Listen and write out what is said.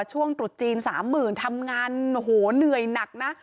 ช่วงตรุษจีน๓๐๐๐ทำงานโอ้โหเหนื่อยหนักนะ